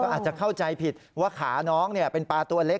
อาจจะเข้าใจผิดว่าขาน้องเป็นปลาตัวเล็ก